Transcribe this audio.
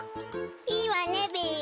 いいわねべ。